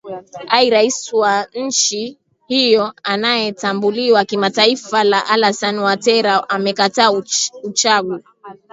aye rais wa nchi hiyo anayetambuliwa kimataifa la alasan watera amekataa uchagu